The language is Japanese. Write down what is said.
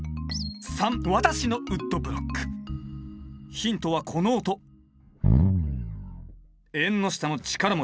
ヒントはこの音縁の下の力持ち。